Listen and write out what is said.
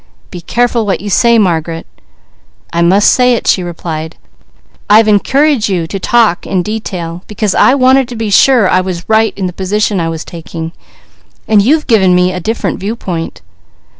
"Be careful what you say, Margaret!" "I must say it," she replied. "I've encouraged you to talk in detail, because I wanted to be sure I was right in the position I was taking; but you've given me a different viewpoint.